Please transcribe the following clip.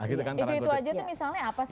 itu itu aja tuh misalnya apa sih